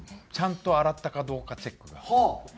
ちゃんと洗ったかどうかチェックが。